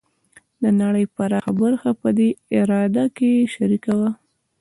د نړۍ پراخه برخه په دې اراده کې شریکه وه.